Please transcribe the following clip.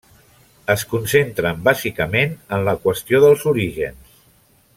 Es concentren bàsicament en la qüestió dels orígens.